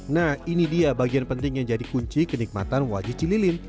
nah ini dia bagian penting yang jadi kunci kenikmatan wajib cililin